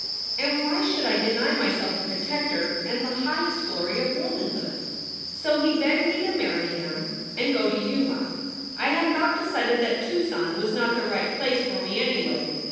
And why should I deny myself a protector and the highest glory of womanhood? So he begged me to marry him and go to Yuma I had about decided that Tucson was not the right place for me, anyway.